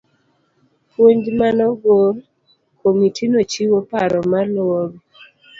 Puonj manogol. Komitino chiwo paro maluwo gi.